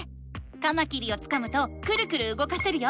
カマキリをつかむとクルクルうごかせるよ。